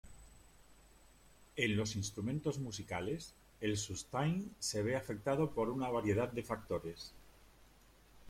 En los instrumentos musicales, el sustain se ve afectado por una variedad de factores.